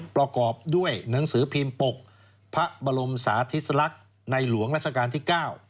ประกอบด้วยหนังสือพิมพ์ปกพระบรมสาธิสลักษณ์ในหลวงราชการที่๙